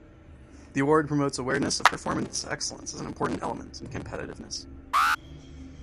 The award promotes awareness of performance excellence as an important element in competitiveness.